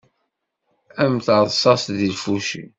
Am terṣaṣt seg lfuci.